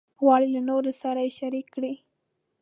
غواړي له نورو سره یې شریک کړي.